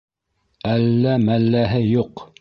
Әллә-мәлләһе юҡ!